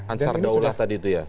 ansar daulah tadi itu ya